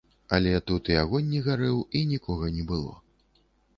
Але тут і агонь не гарэў, і нікога не было.